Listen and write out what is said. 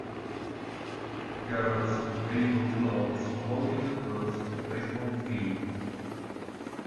girls with baseball gloves walking across a baseball field